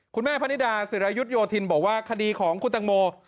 คุณแม่พนิดาสิรายุทย์โยธินบอกว่าคดีของคุณแตงโม